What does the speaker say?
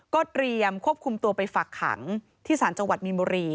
ก็เตรียมควบคุมตัวไปฝักขังที่ศาลจังหวัดมีนบุรี